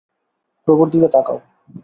প্রভুর দিকে তাকাও।